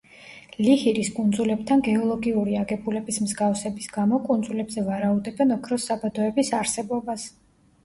ლიჰირის კუნძულებთან გეოლოგიური აგებულების მსგავსების გამო კუნძულებზე ვარაუდობენ ოქროს საბადოების არსებობას.